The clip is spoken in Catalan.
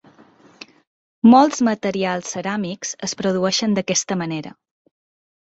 Molts materials ceràmics es produeixen d'aquesta manera.